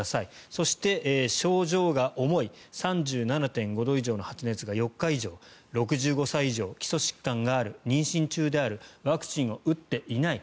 そして、症状が重い３７．５度以上の発熱が４日以上６５歳以上、基礎疾患がある妊娠中であるワクチンを打ってない